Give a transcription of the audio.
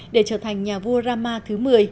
để trở thành nhà vua rama thứ một mươi